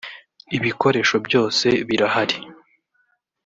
ibikoresho byose birahari